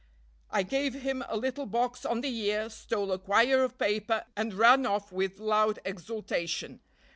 "I gave him a little box on the ear, stole a quire of paper, and ran off with loud exultation.